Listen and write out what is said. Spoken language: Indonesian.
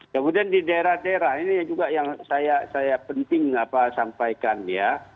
kemudian di daerah daerah ini juga yang saya penting sampaikan ya